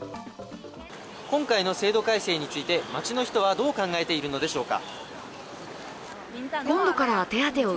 今回の制度改正について、街の人はどう考えているのでしょうか。